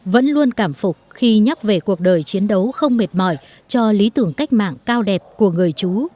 vẫn luôn cảm phục khi nhắc về cuộc đời chiến đấu không mệt mỏi cho lý tưởng cách mạng cao đẹp của người chú